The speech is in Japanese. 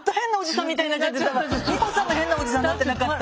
美穂さんも変なおじさんになってなかった？